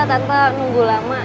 tante nunggu lama